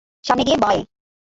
সামনে গিয়ে, বাঁয়ে।